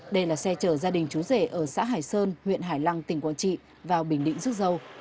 đây là xe chở gia đình chú rể ở xã hải sơn huyện hải lăng tỉnh quảng trị vào bình định rút dâu